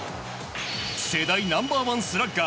世代ナンバー１スラッガー